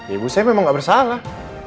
ibu saya memang nggak bersalah